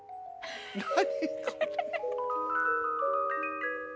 何？